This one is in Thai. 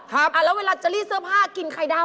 แล้วเวลาจะรีดเสื้อผ้ากินไข่ดาว